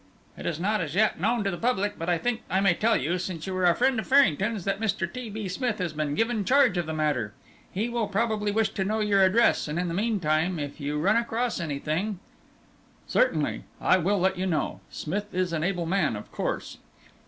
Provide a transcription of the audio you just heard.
"It is not as yet known to the public, but I think I may tell you, since you were a friend of Farrington's, that Mr. T. B. Smith has been given charge of the matter. He will probably wish to know your address. And in the meantime, if you run across anything " "Certainly! I will let you know. Smith is an able man, of course."